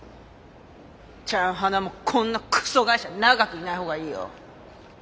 ちゃん華もこんなクソ会社長くいないほうがいいよ。